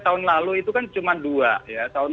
tahun lalu itu kan cuma dua ya tahun